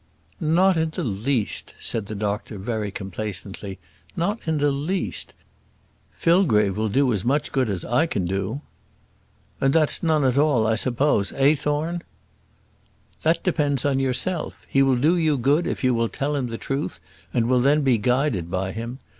"Not in the least," said the doctor very complacently. "Not in the least. Fillgrave will do as much good as I can do you." "And that's none at all, I suppose; eh, Thorne?" "That depends on yourself. He will do you good if you will tell him the truth, and will then be guided by him.